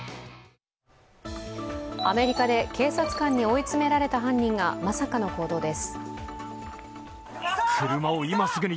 アメリカで警察官に追い詰められた犯人がまさかの行動です。